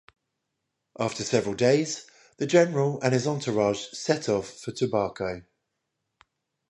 After several days, the General and his entourage set off for Turbaco.